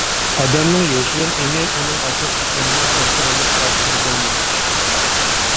ئادەمنىڭ يوشۇرۇن ئېڭى ئۇنىڭ ئاساسلىق ئېڭىنىڭ كونتروللۇقى ئاستىدا بولمايدۇ.